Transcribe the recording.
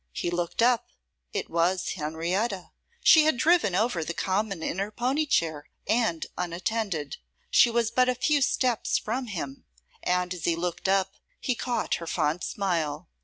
He looked up; it was Henrietta. She had driven over the common in her pony chair and unattended. She was but a few steps from him; and as he looked up, he caught her fond smile.